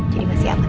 jadi masih aman